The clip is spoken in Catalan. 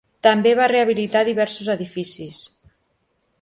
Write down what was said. També va rehabilitar diversos edificis.